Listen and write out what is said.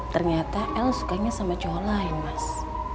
ternyata el sukanya sama cowok lain mas